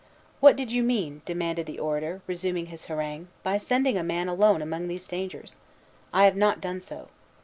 "What did you mean," demanded the orator, resuming his harangue, "by sending a man alone among these dangers? I have not done so.